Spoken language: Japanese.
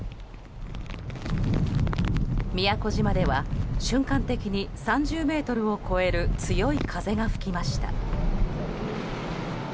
宮古島では瞬間的に３０メートルを超える強い風が吹きました。